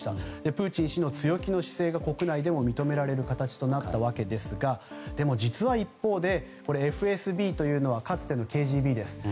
プーチン氏の強気の姿勢が国内でも認められる形となったわけですがでも実は一方でＦＳＢというのはかつてのＫＧＢです。